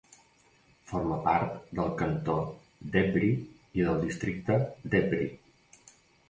Forma part del cantó d'Évry i del districte d'Évry.